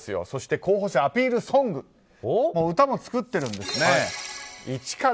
そして、候補者アピールソング歌も作ってるんですね。